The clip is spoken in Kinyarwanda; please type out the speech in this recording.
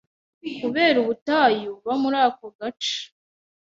kubera ubutayu buba muri ako gace